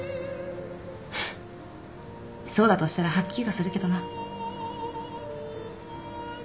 フッそうだとしたら吐き気がするけどな。